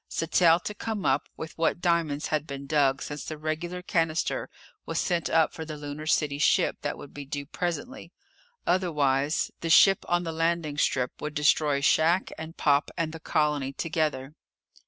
Sattell to come up, with what diamonds had been dug since the regular cannister was sent up for the Lunar City ship that would be due presently. Otherwise the ship on the landing strip would destroy shack and Pop and the colony together.